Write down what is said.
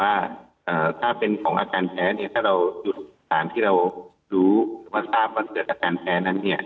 ว่าถ้าเป็นของอาการแพ้เนี่ยถ้าเราหยุดสารที่เรารู้ว่าทราบว่าเกิดอาการแพ้นั้นเนี่ย